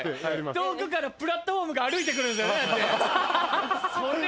遠くからプラットホームが歩いてくるんじゃない？